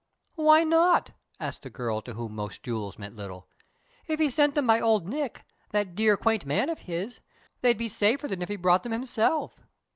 "Why not?" asked the girl to whom most jewels meant little. "If he sent them by Old Nick, that dear, quaint man of his, they'd be safer than if he brought them himself.